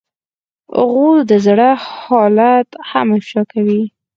غول د زړه حالت هم افشا کوي.